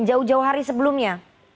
jauh jauh hari sebelumnya